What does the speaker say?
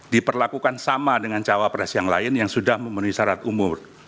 diperlakukan sama dengan cawapres yang lain yang sudah memenuhi syarat umur